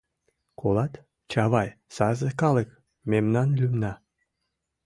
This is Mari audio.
— Колат, Чавай, сарзе калык — мемнан лӱмна...